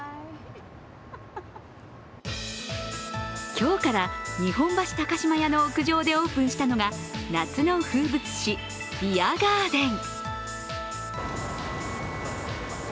今日から日本橋高島屋の屋上でオープンしたのが夏の風物詩ビアガーデン。